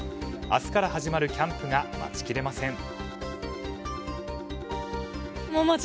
明日から始まるキャンプが待ちきれません。